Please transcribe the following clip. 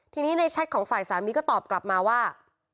ทีนี้ในแชทของฝ่ายสามีก็ตอบกลับมาว่า